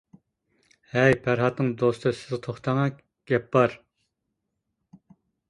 — ھەي، پەرھاتنىڭ دوستى سىز توختاڭە، گەپ بار.